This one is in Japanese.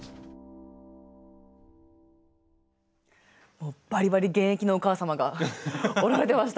もうバリバリ現役のお母様が織られてましたね！